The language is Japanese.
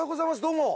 どうも。